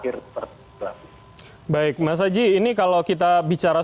jika kita mengunggah di sipol kita tahu kemudian akses internet tidak terlalu membutuhkan